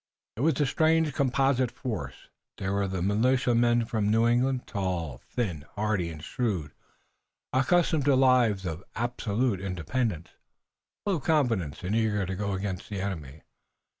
It was a strange composite force. There were the militiamen from New England, tall, thin, hardy and shrewd, accustomed to lives of absolute independence, full of confidence and eager to go against the enemy.